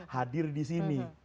hadir di sini